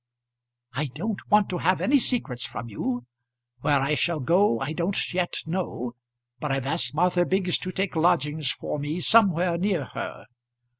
I don't want to have any secrets from you. Where I shall go I don't yet know, but I've asked Martha Biggs to take lodgings for me somewhere near her.